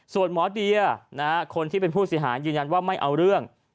ส่วนหมอเดียคนที่เป็นผู้เสียหายยืนยันว่าไม่เอาเรื่อง